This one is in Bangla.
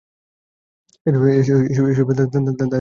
এসবের পরও তাঁদের মধ্যকার বিরোধ থেমে থাকে নি।